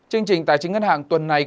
chương trình tài chính ngân hàng tuần này